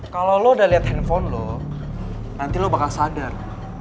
kalau lo udah lihat handphone lo nanti lo bakal sadar